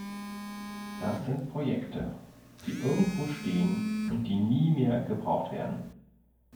Das sind Projekte, die irgendwo stehen und die nie mehr gebraucht werden.